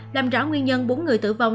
làm rõ nguyên nhân bốn người tử vong